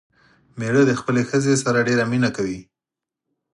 مېړه دې خپلې ښځې سره ډېره مينه کوي